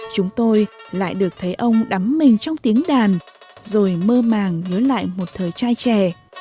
chúng tôi lại được thấy ông đắm mình trong tiếng đàn rồi mơ màng nhớ lại một thời trai trẻ